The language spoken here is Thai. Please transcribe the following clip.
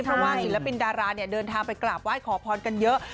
เพราะว่าศิลปินดาราเนี่ยเดินทางไปกราบไหว้ขอพรกันเยอะ